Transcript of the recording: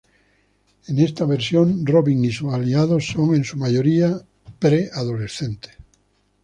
En esta versión Robin y sus aliados son en su mayoría pre adolescentes.